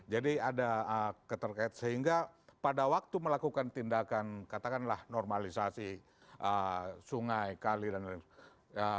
jadi ada keterkaitan sehingga pada waktu melakukan tindakan katakanlah normalisasi sungai kali dan lain sebagainya